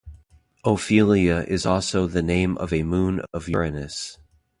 Ophelia is also the name of a moon of Uranus.